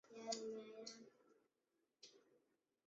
饰石杜鹃为杜鹃花科杜鹃属下的一个种。